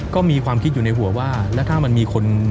ก็มีความคิดอยู่ในหัวว่าแล้วถ้ามันมีคน